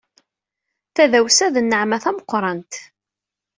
Tadawsa d nneɛma tameqrant.